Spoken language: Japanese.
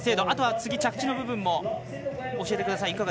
あとは着地の部分も教えてください。